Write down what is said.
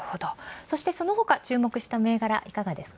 そしてそのほか、注目した銘柄は？